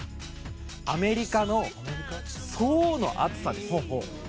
アメリカの層の厚さです。